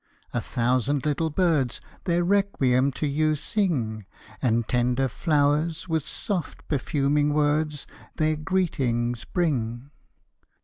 a thousand little birds Their requiem to you sing; And tender flowers, with soft, perfuming words Their greetings bring.